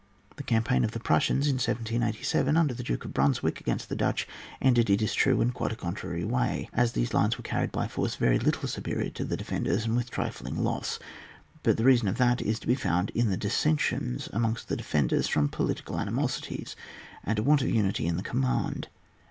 The campaign of the Prussians, in 1787, under the Duke of Brunswick, against the Dutch, ended, it is true, in a quite contrary way, as these lines were then carried by a force very little superior to the defenders, and with trifling loss ; but the reason of that is to be found in the dissensions amongst the defenders from political animosities, and a want of unity in the command, and VOL.